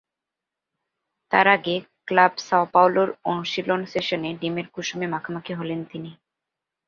তাঁর আগে ক্লাব সাওপাওলোর অনুশীলন সেশনে ডিমের কুসুমে মাখামাখি হলেন তিনি।